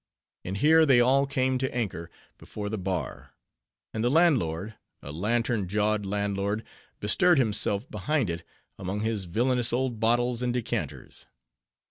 And here they all came to anchor before the bar; and the landlord, a lantern jawed landlord, bestirred himself behind it, among his villainous old bottles and decanters.